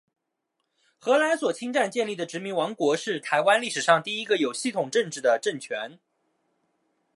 荷兰所侵占建立的殖民王国，是台湾历史上第一个有系统统治的政权。